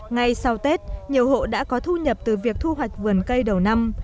ngay sau tết nhiều hộ đã có thu nhập từ việc thu hoạch vườn cây đầu năm